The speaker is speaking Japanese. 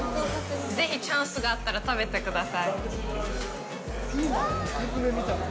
ぜひ、チャンスがあったら食べてください。